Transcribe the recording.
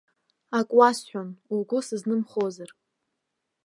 Акы уасҳәон угәы сызнымхозар.